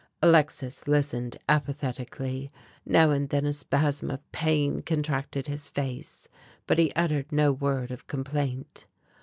Alexis listened apathetically. Now and then a spasm of pain contracted his face, but he uttered no word of complaint.